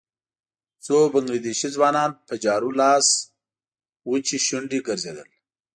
څو بنګله دېشي ځوانان په جارو لاس وچې شونډې ګرځېدل.